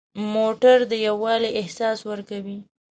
موټر د یووالي احساس ورکوي.